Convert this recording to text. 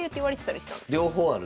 両方ある。